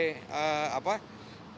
jadi kita sudah bisa mengambil data